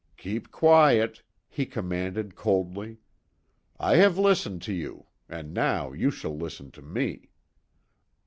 "Keep quiet!" he commanded coldly. "I have listened to you, and now you shall listen to me."